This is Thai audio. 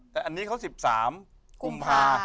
แต่อันนี้เขา๑๓กุมภา